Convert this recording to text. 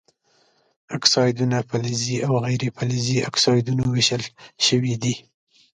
اکسایدونه فلزي او غیر فلزي اکسایدونو ویشل شوي دي.